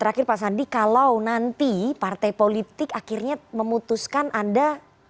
terakhir pak sandi kalau nanti partai politik akhirnya memutuskan anda